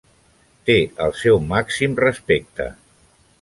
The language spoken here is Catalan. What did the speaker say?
Té el meu màxim respecte.